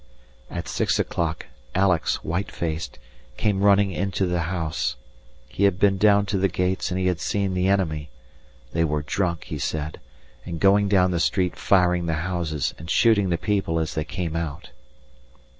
At six o'clock Alex, white faced, came running into the house. He had been down to the gates and he had seen the enemy. They were drunk, he said, and going down the street firing the houses and shooting the people as they came out.